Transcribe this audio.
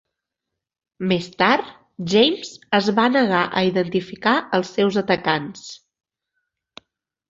Més tard, James es va negar a identificar els seus atacants.